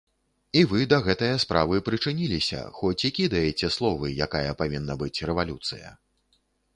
І вы да гэтае справы прычыніліся, хоць і кідаеце словы, якая павінна быць рэвалюцыя.